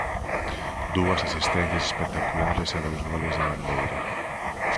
Dúas asistencias espectaculares e dous goles de bandeira.